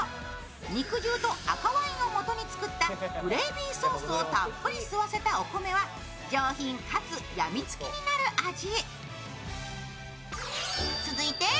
肉汁と赤ワインを元に作ったグレイビーソースをたっぷり吸わせたお米は、上品かつ病みつきになる味。